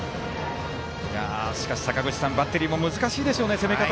坂口さん、バッテリーも難しいでしょうね、攻め方。